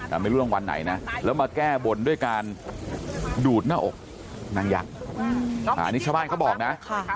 ไม่รู้รางวัลไหนนะแล้วมาแก้บนด้วยการดูดหน้าอกนางยักษ์อันนี้ชาวบ้านเขาบอกนะ